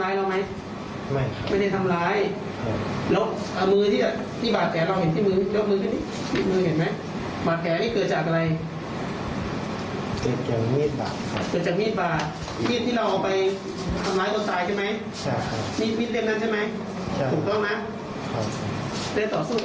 อย่าเก่งมีดบ่าครับ